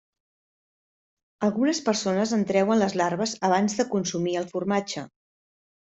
Algunes persones en treuen les larves abans de consumir el formatge.